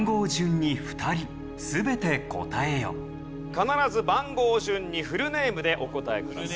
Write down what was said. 必ず番号順にフルネームでお答えください。